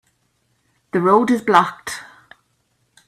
The road is blocked.